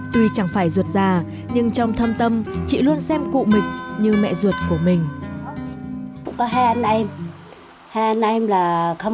tuy chẳng phải ruột già nhưng trong thâm tâm chị luôn xem cụ mịch như mẹ ruột của mình